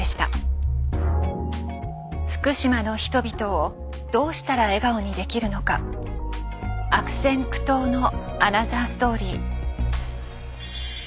福島の人々をどうしたら笑顔にできるのか悪戦苦闘のアナザーストーリー。